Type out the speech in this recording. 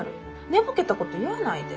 寝ぼけたこと言わないで。